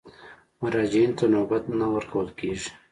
مراجعینو ته نوبت نه ورکول کېږي.